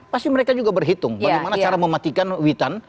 pasti mereka juga berhitung bagaimana cara mematikan witan